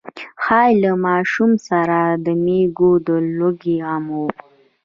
ښايي له ماشوم سره د مېږو د لوږې غم و.